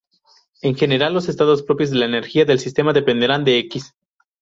En general, los estados propios de energía del sistema dependerán de "x".